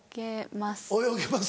泳げます。